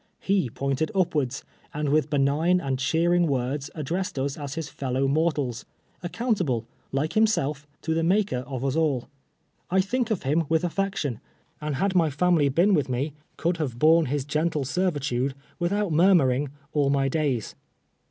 lie pointed upwards, and with benign and cheering words ad dressed us as his fellow mortals, accountable, like himself, to the MaKer of us all. I think of him with affection, and had my lamily been with me, could 104: TWELVE TEARS A SLAVE. have Lome his gentle servitude, witliont miirmiinng, all my days.